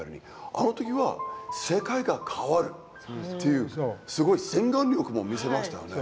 あの時は世界が変わるっていうすごい先眼力も見せましたよね。